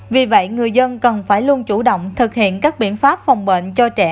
vì vậy người dân cần phải luôn chủ động thực hiện các biện pháp phòng bệnh cho trẻ